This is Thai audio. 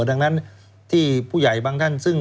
ดังนั้นที่ผู้ใหญ่บางท่านซึ่ง